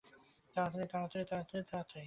তাড়াতাড়ি, তাড়াতাড়ি, তাড়াতাড়ি, তাড়াতাড়ি!